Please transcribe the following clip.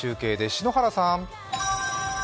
篠原さん。